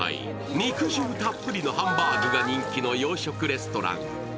肉汁たっぷりのハンバーグが人気の洋食レストラン。